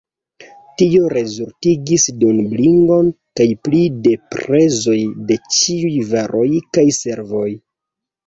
Tio rezultigis duobligon kaj pli de prezoj de ĉiuj varoj kaj servoj.